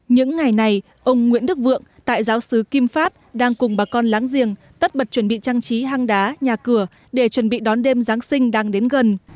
những ngày này ông nguyễn đức vượng tại giáo sứ kim phát đang cùng bà con láng giềng tất bật chuẩn bị trang trí hang đá nhà cửa để chuẩn bị đón đêm giáng sinh đang đến gần